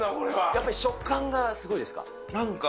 やっぱ食感がすごいですか。